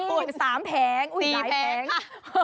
๓แผงอุ๊ยหลายแผงสี่แผงค่ะ